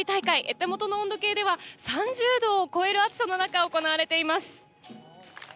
手元の温度計では３０度を超える暑さの中行われています。